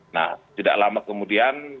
nah tidak lama kemudian